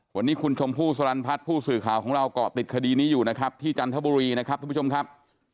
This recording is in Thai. วันนี้คุณชมพู่สลันพัฒน์ผู้สื่อข่าวของเราเกาะติดคดีนี้อยู่นะครับที่จันทบุรีนะครับทุกผู้ชมครับ